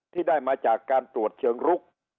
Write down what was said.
ที่ได้มาจากการตรวจเชิงลุก